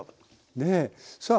ねえさあ